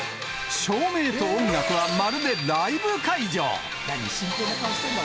照明と音楽は、まるでライブ会場。